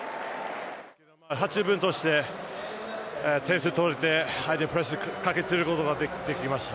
８０分通して、点数とれて、相手にプレッシャーかけることができました。